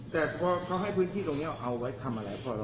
แต่พอเขาให้พื้นที่ตรงนี้เอาไว้ทำอะไรก่อน